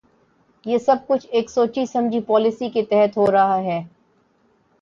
یہ سب کچھ ایک سوچی سمجھی پالیسی کے تحت ہو رہا ہے۔